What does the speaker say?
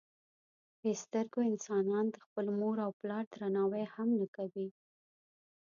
بې سترګو انسانان د خپل مور او پلار درناوی هم نه کوي.